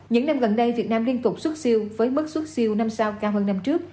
những năm gần đây việt nam liên tục xuất siêu với mức xuất siêu năm sau cao hơn năm trước